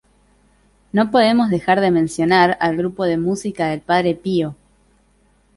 No podemos dejar de mencionar el grupo de música del Padre Pio.